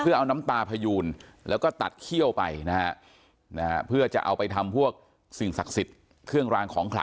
เมืองไทยนี้จริงไม่รู้จะเหลืออยู่หลัก๑๐หรือเปล่า